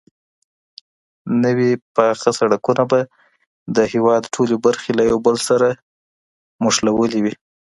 نوي پاخه سړکونه به د هيواد ټولې برخې له يو بل سره نښلولې وي.